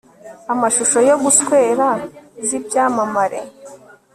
amashusho yo guswera z'ibyamamare